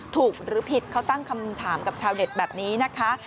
หรือผิดเขาตั้งคำถามกับชาวเน็ตแบบนี้นะคะ